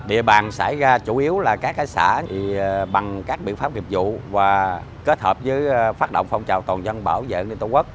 địa bàn xảy ra chủ yếu là các xã bằng các biện pháp nghiệp vụ và kết hợp với phát động phong trào toàn dân bảo vệ liên tổ quốc